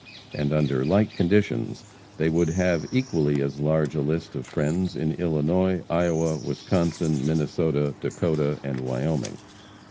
And under like conditions they would have equally as large a list of friends in Illinois, Iowa, Wisconsin, Minnesota, Dakota and Wyoming.